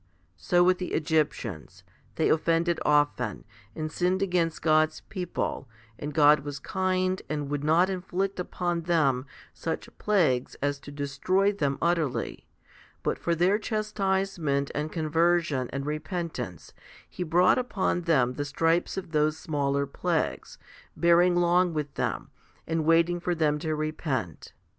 So with the Egyptians ; they offended often, and sinned against God's people, and God was kind and would not inflict upon them such plagues as to destroy them utterly; but for their chastisement and conversion and repentance He brought upon them the stripes of those smaller plagues, bearing long with them, and waiting for them to repent.